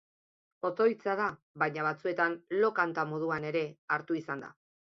Otoitza da, baina batzuetan lo-kanta moduan ere hartu izan da.